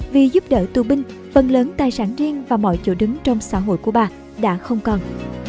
vì giúp đỡ tù binh phần lớn tài sản riêng và mọi chỗ đứng trong xã hội của bà đã không còn